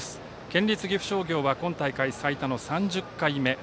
県立岐阜商業は今大会最多の３０回目。